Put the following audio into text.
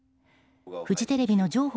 フジテレビの上法